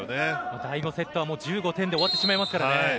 第５セットは１５点で終わってしまいますからね。